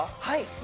はい。